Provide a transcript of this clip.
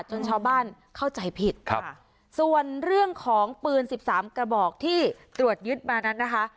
ชาวบ้านเข้าใจผิดค่ะส่วนเรื่องของปืนสิบสามกระบอกที่ตรวจยึดมานั้นนะคะ